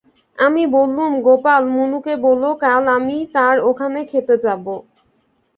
আমি বললুম, গোপাল, মুনুকে বোলো কাল আমি তার ওখানে খেতে যাব।